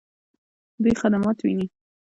دوی خدمات ویني؟